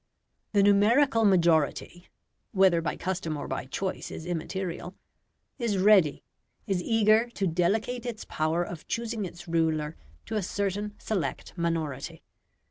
The numerical majority whether by custom or by choice, is immaterial is ready, is eager to delegate its power of choosing its ruler to a certain select minority.